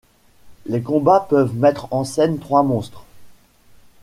Les combats peuvent mettre en scène trois monstres.